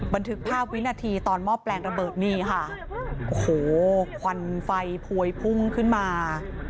บันทึกภาพวินาทีตอนมอบแปลงระเบิดนี่ค่ะโอ้โหควันไฟพวยพุ่งขึ้นมา